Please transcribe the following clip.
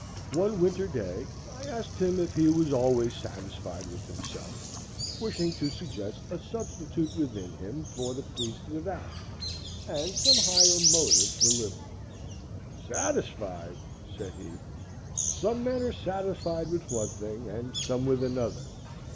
One winter day I asked him if he was always satisfied with himself, wishing to suggest a substitute within him for the priest without, and some higher motive for living. "Satisfied!" said he; "some men are satisfied with one thing, and some with another.